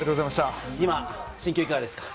今、心境いかがですか？